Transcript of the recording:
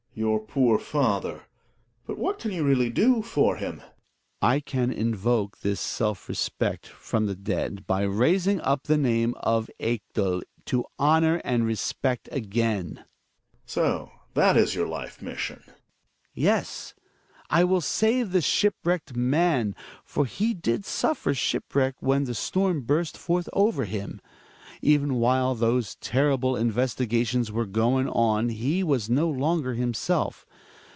Your poor father ; but what can you really do for him ? Hjalmar. I can invoke his self respect from the dead, by raising up the name of Ekdal to honor and respect again. IjtA vj^*^ (V\ . Gregees. So that is your life mission. Hjalmar. Yes. I will save the shipwrecked man. For he did suffer shipwreck when the storm burst forth over him. Even while those terrible investiga tions were going on he was no longer himself.